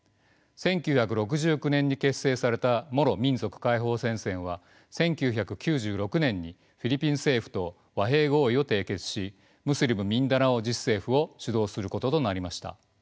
１９６９年に結成されたモロ民族解放戦線は１９９６年にフィリピン政府と和平合意を締結しムスリム・ミンダナオ自治政府を主導することとなりました。